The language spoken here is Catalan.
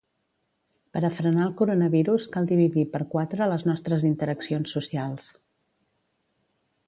Per a frenar el coronavirus cal dividir per quatre les nostres interaccions socials.